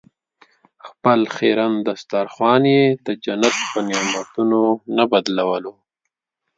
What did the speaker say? خپل خیرن دسترخوان یې د جنت په نعمتونو نه بدلولو.